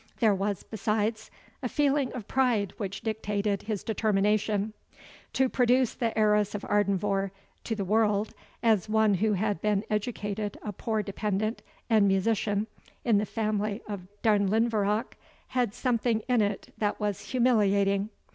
There was, besides, a feeling of pride which dictated his determination. To produce the Heiress of Ardenvohr to the world as one who had been educated a poor dependant and musician in the family of Darnlinvarach, had something in it that was humiliating.